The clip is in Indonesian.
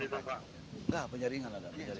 gak penjaringan ada penjaringan